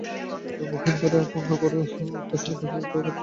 মহেন্দ্র পুনর্বার উত্ত্যক্তস্বরে কহিল, এই তো, খাচ্ছি না তো কী।